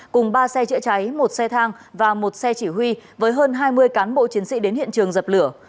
cùng ba xe chữa cháy một xe thang và một xe chỉ huy với hơn hai mươi cán bộ chiến sĩ đến hiện trường dập lửa